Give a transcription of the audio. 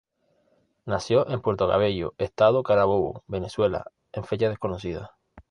Nació en Puerto Cabello, estado Carabobo, Venezuela, en fecha desconocida.